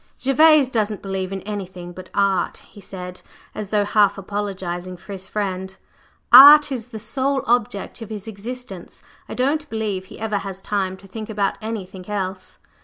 "Gervase doesn't believe in anything but Art," he said, as though half apologizing for his friend: "Art is the sole object of his existence; I don't believe he ever has time to think about anything else."